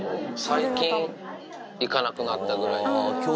最近、行かなくなったぐらいで。